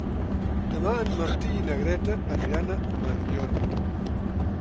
Demà en Martí i na Greta aniran a Mediona.